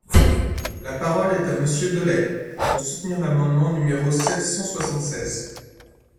La parole est à Monsieur Dolez, pour soutenir l’amendement numéro sept cent soixante-seize.